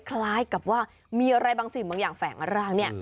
คล้ายกับว่ามีอะไรบางสิ่งบางอย่างแฝงร่างเนี่ย